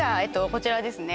こちらですね